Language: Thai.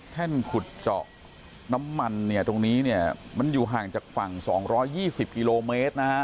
แท่นขุดเจาะน้ำมันเนี้ยตรงนี้เนี้ยมันอยู่ห่างจากฝั่งสองร้อยยี่สิบกิโลเมตรนะคะ